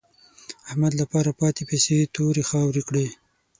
احمد له پاره پاتې پيسې تورې خاورې کړې.